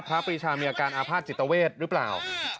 ปรีชามีอาการอาภาษณจิตเวทหรือเปล่า